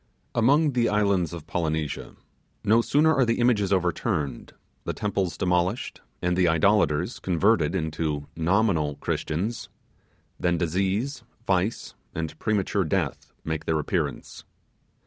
Among the islands of Polynesia, no sooner are the images overturned, the temples demolished, and the idolators converted into NOMINAL Christians, that disease, vice, and premature death make their appearance.